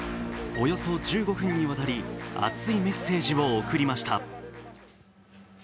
およそ１５分にわたり熱いメッセージを送りました。